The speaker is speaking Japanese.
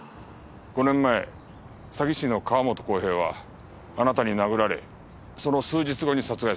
５年前詐欺師の川本浩平はあなたに殴られその数日後に殺害された。